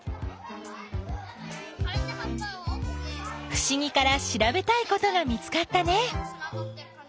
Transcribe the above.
ふしぎからしらべたいことが見つかったね。